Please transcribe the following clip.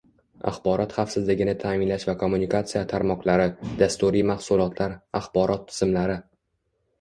axborot xavfsizligini ta'minlash va kommunikatsiya tarmoqlari, dasturiy mahsulotlar, axborot tizimlari